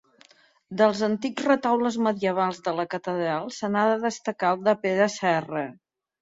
Dels antics retaules medievals de la catedral se n'ha de destacar el de Pere Serra.